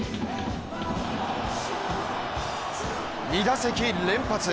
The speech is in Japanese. ２打席連発！